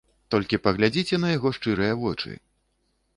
Толькі паглядзіце на яго шчырыя вочы.